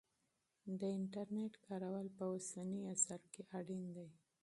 د انټرنیټ کارول په اوسني عصر کې اړین دی.